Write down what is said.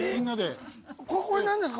これ何ですか？